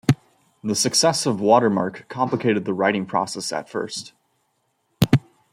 The success of "Watermark" complicated the writing process at first.